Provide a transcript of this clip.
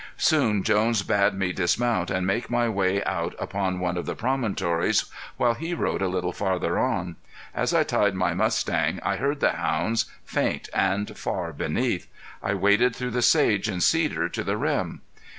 Soon Jones bade me dismount and make my way out upon one of the promontories, while he rode a little farther on. As I tied my mustang I heard the hounds, faint and far beneath. I waded through the sage and cedar to the rim.